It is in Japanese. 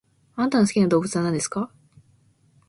あなたの好きな動物は何ですか？